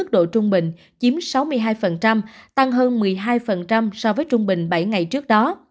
trung bình chiếm sáu mươi hai tăng hơn một mươi hai so với trung bình bảy ngày trước đó